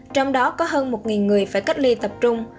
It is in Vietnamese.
trong đó có hơn một người phải cách ly tập trung